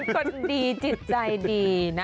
เป็นคนดีจิตใจดีนะ